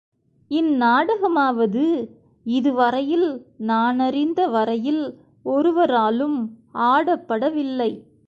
இந் நாடகமாவது இதுவரையில் நானறிந்த வரையில் ஒருவராலும் ஆடப்படவில்லை.